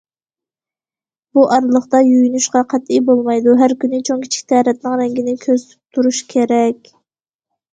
بۇ ئارىلىقتا يۇيۇنۇشقا قەتئىي بولمايدۇ، ھەر كۈنى چوڭ- كىچىك تەرەتنىڭ رەڭگىنى كۆزىتىپ تۇرۇش كېرەك.